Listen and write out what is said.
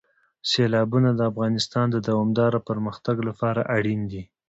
سیلابونه د افغانستان د دوامداره پرمختګ لپاره اړین دي.